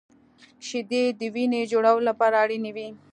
• شیدې د وینې جوړولو لپاره اړینې وي.